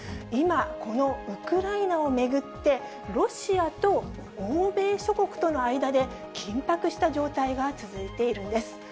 今、このウクライナを巡って、ロシアと欧米諸国との間で、緊迫した状態が続いているんです。